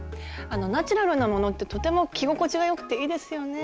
ナチュラルなものってとても着心地がよくていいですよね。